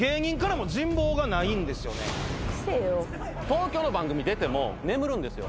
東京の番組出ても眠るんですよ。